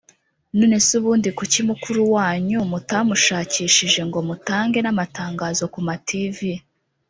nonese ubundi kuki mukuru wanyu mutamushakishije ngo mutange namatangazo kuma tv